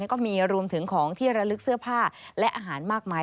ก็มีรวมถึงของที่ระลึกเสื้อผ้าและอาหารมากมาย